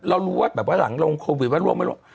เรารู้ว่าหลังโควิดว่าหล่วงไม่ร่วง